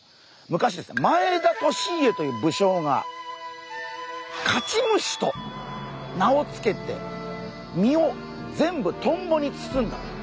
昔ですね前田利家という武将が勝ち虫と名を付けて身を全部トンボに包んだ。